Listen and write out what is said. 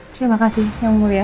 terimakasih yang mulia